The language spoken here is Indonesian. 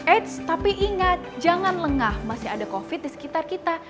eits tapi ingat jangan lengah masih ada covid di sekitar kita